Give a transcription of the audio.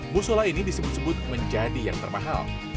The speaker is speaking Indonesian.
musola ini disebut sebut menjadi yang termahal